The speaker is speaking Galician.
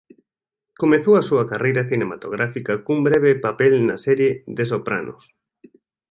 Comenzou a súa carreira cinematográfica cun breve papel na serie The Sopranos.